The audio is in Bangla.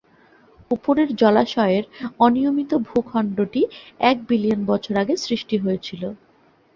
উপরের জলাশয়ের অনিয়মিত ভূখণ্ডটি এক বিলিয়ন বছর আগে সৃষ্টি হয়েছিল।